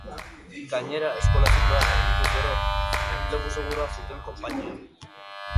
Gainera, eskola-zikloa gaindituz gero, enplegu segurua zuten konpainian.